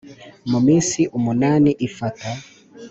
mu minsi umunani Ifata